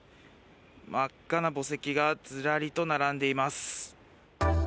真っ赤な墓石がズラリと並んでいます。